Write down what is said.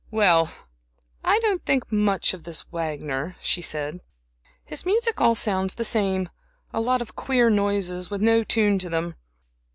"Well, I don't think much of this Wagner," she said. "His music all sounds the same a lot of queer noises, with no tune to them.